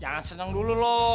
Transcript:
jangan seneng dulu loh